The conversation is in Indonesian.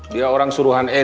dia orang suruhan edi